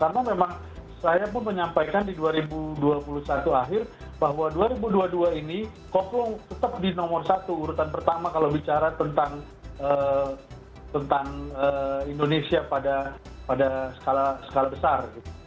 karena memang saya pun menyampaikan di dua ribu dua puluh satu akhir bahwa dua ribu dua puluh dua ini koplo tetap di nomor satu urutan pertama kalau bicara tentang indonesia pada skala besar